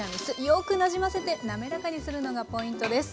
よくなじませて滑らかにするのがポイントです。